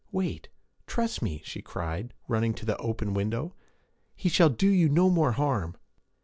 'Wait! Trust me!' she cried, running to the open window. 'He shall do you no more harm!'